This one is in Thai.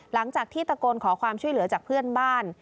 หลังจากที่ตะโกนขอความช่วยเหลือจากเพื่อนบ้าน